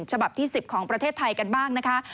ฉบับที่๑๐ของประเทศไทยกันบ้างนะคะ